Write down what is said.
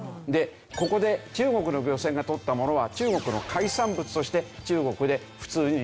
ここで中国の漁船が取ったものは中国の海産物として中国で普通に流通して食べられる。